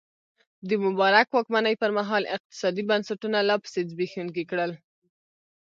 د مبارک واکمنۍ پرمهال اقتصادي بنسټونه لا پسې زبېښونکي کړل.